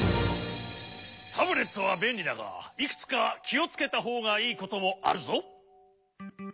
タブレットはべんりだがいくつかきをつけたほうがいいこともあるぞ。